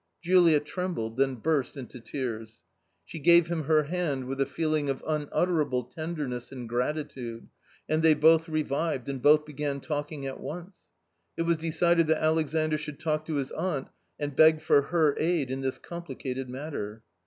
Julia trembled, then burst into tears. She gave him her hand with a feeling of unutterable tender ness and gratitude, and they both revived and both began talking at once. It was decided that Aiexandr should talk to his aunt and beg for her aid in this complicated matter.